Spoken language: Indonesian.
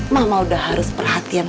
mama udah harus perhatikan